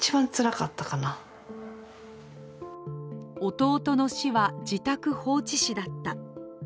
弟の死は自宅放置死だった。